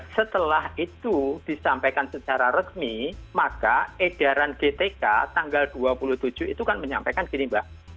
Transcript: setelah itu disampaikan secara resmi maka edaran gtk tanggal dua puluh tujuh itu kan menyampaikan gini mbak